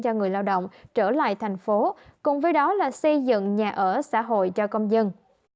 cho người lao động trở lại thành phố cùng với đó là xây dựng nhà ở xã hội cho công dân